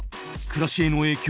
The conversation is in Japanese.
暮らしへの影響